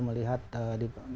melihat di apa di tamu di bandung